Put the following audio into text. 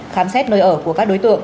khám xét nơi ở của các đối tượng